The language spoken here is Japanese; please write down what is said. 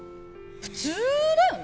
普通だよね。